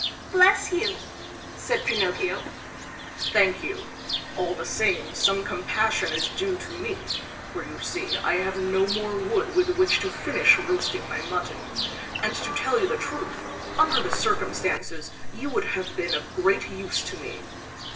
"Bless you!" said Pinocchio. "Thank you! All the same, some compassion is due to me, for you see I have no more wood with which to finish roasting my mutton, and to tell you the truth, under the circumstances you would have been of great use to me!